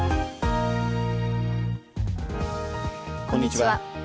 こんにちは。